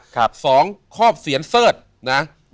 ๒ครอบเสียนเสิร์จ